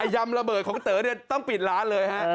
ยำระเบิดของเต๋อต้องปิดร้านเลยฮะ